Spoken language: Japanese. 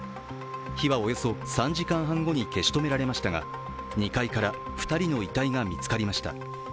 火はおよそ３時間半後に消し止められましたが２階から２人の遺体が見つかりました。